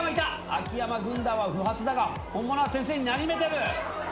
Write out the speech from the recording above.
秋山軍団は不発だが本物は先生になじめてる。